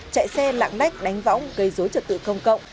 chạy xe lãng đách đánh võng gây dối trật tự công cộng